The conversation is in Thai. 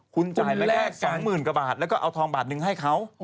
คุณจ่ายแค่สองหมื่นกว่าบาทแล้วเอาทองบาทนึงให้เขา